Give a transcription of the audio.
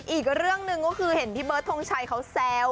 อีกเรื่องหนึ่งก็คือเห็นพี่เบิร์ดทงชัยเขาแซว